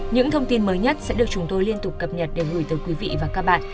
những thông tin mới nhất sẽ được chúng tôi liên tục cập nhật để gửi tới quý vị và các bạn